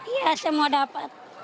iya semua dapat